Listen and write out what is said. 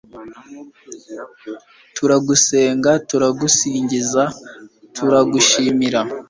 turagusenga, turagusingiza, turagushimira